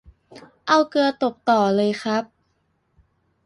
เอาเกลือตบต่อเลยครับ